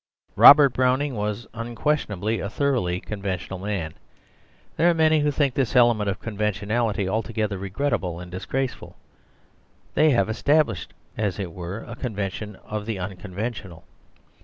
Robert Browning was unquestionably a thoroughly conventional man. There are many who think this element of conventionality altogether regrettable and disgraceful; they have established, as it were, a convention of the unconventional.